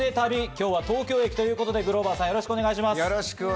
今日は東京駅ということで、グローバーさん、よろしくお願いします。